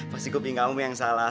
pasti gue bingung kamu yang salah